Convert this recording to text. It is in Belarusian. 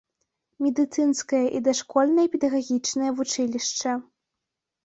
Медыцынскае і дашкольнае педагагічнае вучылішча.